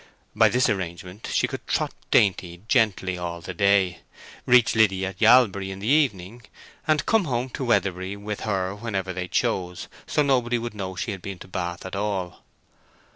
By this arrangement she could trot Dainty gently all the day, reach Liddy at Yalbury in the evening, and come home to Weatherbury with her whenever they chose—so nobody would know she had been to Bath at all.